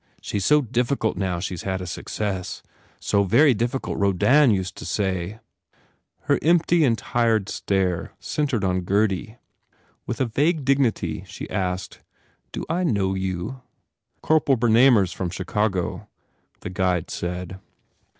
She s so difficult now she s had a success. So very difficult Rodin used to say Her empty and tired stare centred on Gurdy. With a vague dignity she asked, "Do I know you?" "Corporal Bernamer s from Chicago," the guide said.